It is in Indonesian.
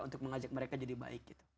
untuk mengajak mereka jadi baik gitu